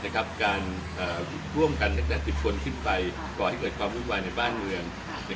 การหุ้มกันทั้งศาสตร์สิบคนขึ้นไปก่อเขิดความวิวัยในบ้านเมือง